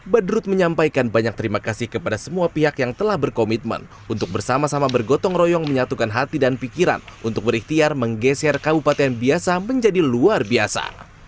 badrut menyampaikan banyak terima kasih kepada semua pihak yang telah berkomitmen untuk bersama sama bergotong royong menyatukan hati dan pikiran untuk berikhtiar menggeser kabupaten biasa menjadi luar biasa